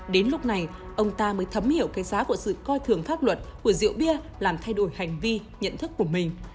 đến lúc này ông ta mới thấm hiểu cái giá của sự coi thường pháp luật của rượu bia làm thay đổi hành vi nhận thức của mình